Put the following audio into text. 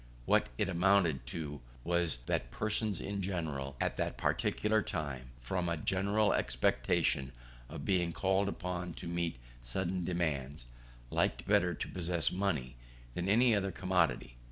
What it amounted to was, that persons in general, at that particular time, from a general expectation of being called upon to meet sudden demands, liked better to possess money than any other commodity.